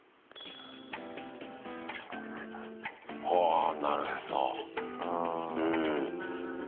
あ、なるへそ。